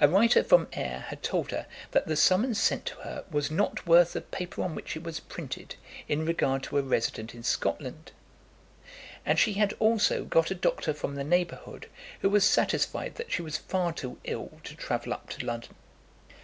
A writer from Ayr had told her that the summons sent to her was not worth the paper on which it was printed in regard to a resident in Scotland; and she had also got a doctor from the neighbourhood who was satisfied that she was far too ill to travel up to London.